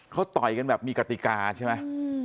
เขาต่อยกันแบบมีกติกาใช่ไหม